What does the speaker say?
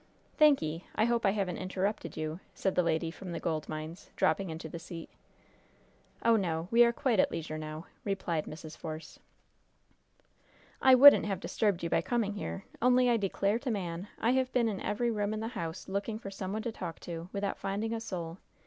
"Thanky'! I hope I haven't interrupted you?" said the lady from the gold mines, dropping into the seat. "Oh, no. We are quite at leisure now," replied Mrs. Force. "I wouldn't have disturbed you by coming here, only I declare to man, I have been in every room in the house looking for some one to talk to, without finding a soul.